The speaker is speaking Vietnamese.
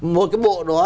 một cái bộ đó